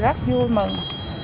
rất vui mừng